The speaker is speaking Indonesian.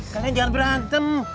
kalian jangan berantem